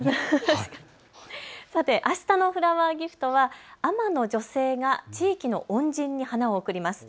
さてあしたのフラワーギフトは海女の女性が地域の恩人に花を贈ります。